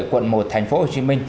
quận một tp hcm